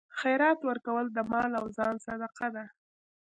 خیرات ورکول د مال او ځان صدقه ده.